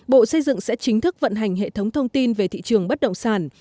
bộ xây dựng sẽ chính thức vận hành hệ thống thông tin về thị trường bất động sản